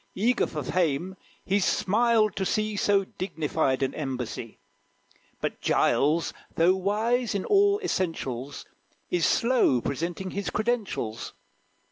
Eager for fame, he smiled to see So dignified an embassy. But Giles, though wise in all essentials, Is slow presenting his credentials.